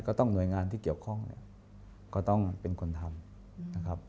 หน่วยงานที่เกี่ยวข้องเนี่ยก็ต้องเป็นคนทำนะครับ